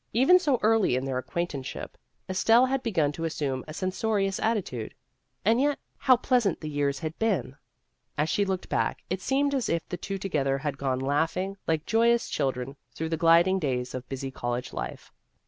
Even so early in their acquaintanceship Estelle had begun to assume a censorious attitude. And yet how pleasant the years had been ! As she looked back, it seemed as if they two together had gone laughing, like joyous children, through the gliding days of busy college life.